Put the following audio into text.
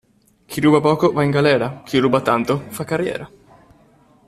Chi ruba poco va in galera, chi ruba tanto fa carriera.